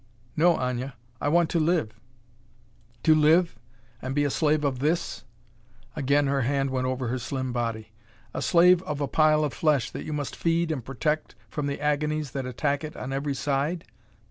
"No, Aña; I want to live." "To live and be a slave of this?" Again her hand went over her slim body. "A slave of a pile of flesh that you must feed and protect from the agonies that attack it on every side?